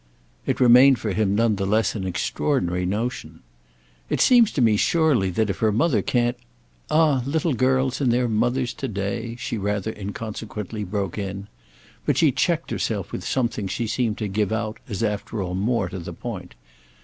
It remained for him none the less an extraordinary notion. "It seems to me surely that if her mother can't—" "Ah little girls and their mothers to day!" she rather inconsequently broke in. But she checked herself with something she seemed to give out as after all more to the point.